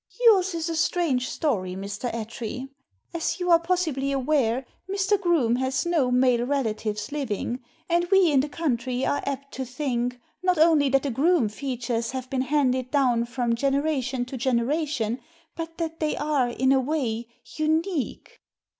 " Yours is a strange story, Mr. Attree. As you are possibly aware, Mr. Groome has no male relatives living, and we in the county are apt to think, not only that the Groome features have been handed down from generation to generation, but that they are, in a way, unique."